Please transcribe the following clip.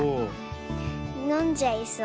のんじゃいそう。